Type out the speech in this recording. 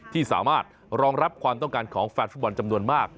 ที่สามารถรองรับความต้องการของแฟนฟุตบอลจำนวนมาก